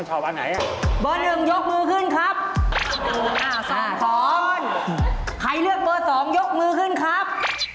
ใครเลือกเบอร์๒ยกมือขึ้นครับ